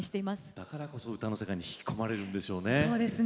だからこそ歌の世界に引き込まれるんでしょうね。